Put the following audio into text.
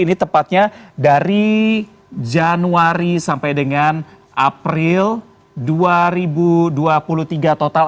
ini tepatnya dari januari sampai dengan april dua ribu dua puluh tiga total